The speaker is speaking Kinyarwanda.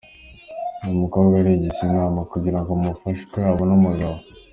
Uyu mukobwa aragisha inama kugira ngo mumufashe uko yabona umugabo.